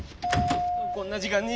こんな時間に。